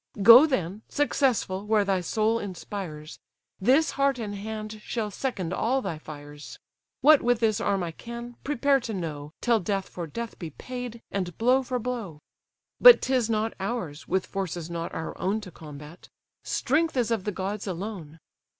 Go then, successful, where thy soul inspires: This heart and hand shall second all thy fires: What with this arm I can, prepare to know, Till death for death be paid, and blow for blow. But 'tis not ours, with forces not our own To combat: strength is of the gods alone."